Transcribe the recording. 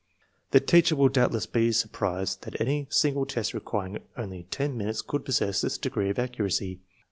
The teacher will doubtless be surprised that any single test requiring only ten minutes could possess this degree of accuracy.